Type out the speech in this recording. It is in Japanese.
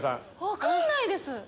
分かんないです！